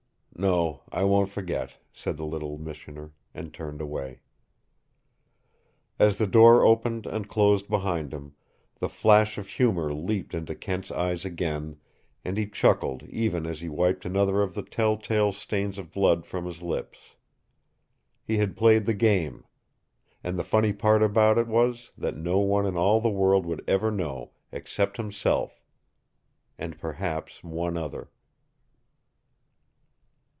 "No, I won't forget," said the little missioner, and turned away. As the door opened and closed behind him, the flash of humor leaped into Kent's eyes again, and he chuckled even as he wiped another of the telltale stains of blood from his lips. He had played the game. And the funny part about it was that no one in all the world would ever know, except himself and perhaps one other.